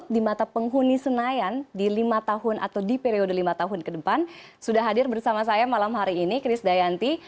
di periode lima tahun ke depan sudah hadir bersama saya malam hari ini kris dayanti